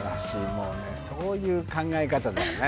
もうねそういう考え方だよね